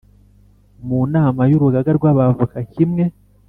Mu nama y urugaga rw abavoka kimwe